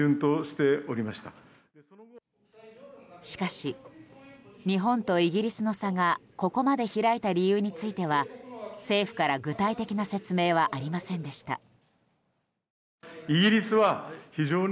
しかし、日本とイギリスの差がここまで開いた理由については政府から具体的な説明はありませんでした。